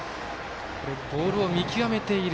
ボールを見極めている。